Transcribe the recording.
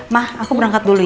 ma aku berangkat dulu ya